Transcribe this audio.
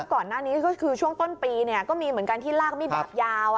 ก่อนหน้านี้ก็คือช่วงต้นปีก็มีเหมือนกันที่ลากมิดดาบยาว